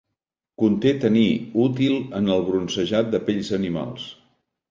Conté taní útil en el bronzejat de pells d'animals.